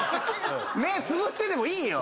目つぶってでもいいよ！